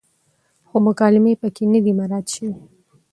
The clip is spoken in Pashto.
خو مکالمې پکې نه دي مراعت شوې،